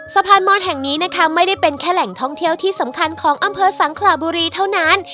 สะพานมอนแห่งนี้นะคะไม่ได้เป็นแค่แหล่งท่องเที่ยวที่สำคัญของอำเภอสังขลาบุรีเท่านั้น